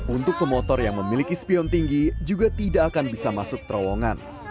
untuk pemotor yang memiliki spion tinggi juga tidak akan bisa masuk terowongan